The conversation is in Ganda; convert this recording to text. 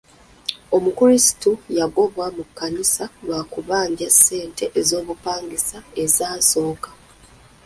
Omukulisitu yagobwa mu kkanisa lwa kubanja ssente z'obupangisa ezasooka.